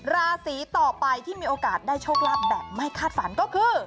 ราศีต่อไปที่มีโอกาสได้โชคลาภแบบไม่คาดฝันก็คือ